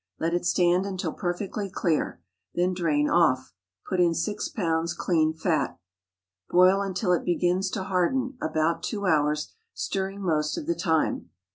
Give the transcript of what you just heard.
Let it stand until perfectly clear, then drain off. Put in 6 lbs. clean fat. Boil until it begins to harden—about two hours—stirring most of the time.